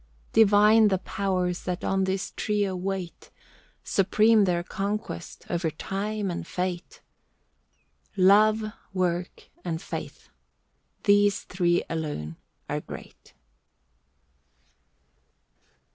Divine the Powers that on this trio wait. Supreme their conquest, over Time and Fate. Love, Work, and Faith—these three alone are great.